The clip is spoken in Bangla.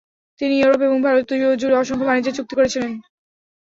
তিনি ইউরোপ এবং ভারত জুড়ে অসংখ্য বাণিজ্যের চুক্তি করেছিলেন।